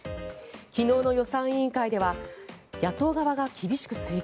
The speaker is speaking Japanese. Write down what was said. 昨日の予算委員会では野党側が厳しく追及。